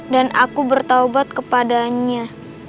dan aku bertaubat kepadanya